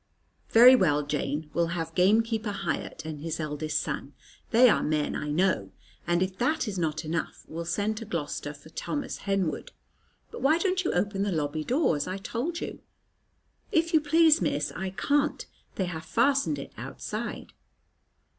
"Very well, Jane, we'll have Gamekeeper Hiatt, and his eldest son; they are men I know. And if that is not enough, we'll send to Gloucester for Thomas Henwood. But why don't you open the lobby door, as I told you?" "If you please, Miss, I can't. They have fastened it outside."